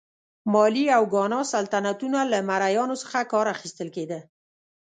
مالي او ګانا سلطنتونه له مریانو څخه کار اخیستل کېده.